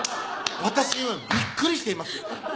私今びっくりしています